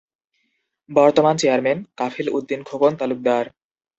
বর্তমান চেয়ারম্যান-কফিল উদ্দিন খোকন তালুকদার।